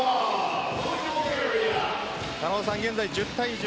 現在、１０対１０。